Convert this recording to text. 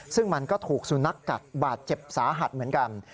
ซึ่งมันก็ถูกสุนัขกัดบาดเจ็บสาหัสเหมือนกัน